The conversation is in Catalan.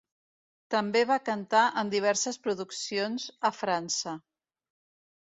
També va cantar en diverses produccions a França.